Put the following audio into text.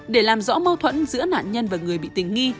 để làm rõ mâu thuẫn giữa nạn nhân và người bị tình nghi